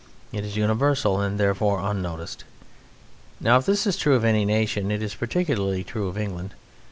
It is universal and therefore unnoticed. Now, if this is true of any nation, it is particularly true of England.